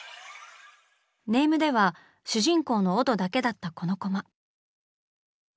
ネームでは主人公のオドだけだったこのコマ。